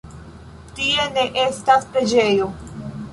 Tie ne estas preĝejo.